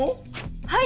はい！